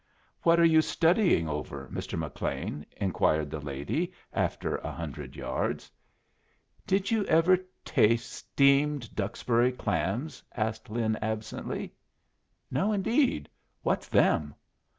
"What are you studying over, Mr. McLean?" inquired the lady, after a hundred yards. "Did you ever taste steamed Duxbury clams?" asked Lin, absently. "No, indeed. What's them?"